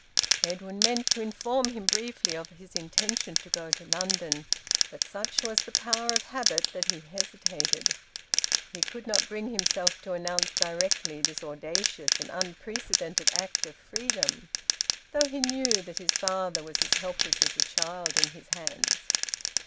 Edwin meant to inform him briefly of his intention to go to London, but such was the power of habit that he hesitated; he could not bring himself to announce directly this audacious and unprecedented act of freedom, though he knew that his father was as helpless as a child in his hands.